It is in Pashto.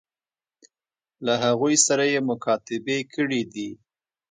له هغوی سره یې مکاتبې کړي دي.